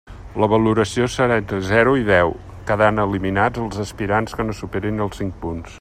La valoració serà entre zero i deu, quedant eliminats els aspirants que no superin els cinc punts.